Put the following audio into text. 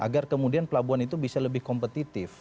agar kemudian pelabuhan itu bisa lebih kompetitif